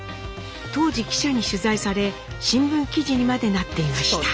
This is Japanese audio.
当時記者に取材され新聞記事にまでなっていました。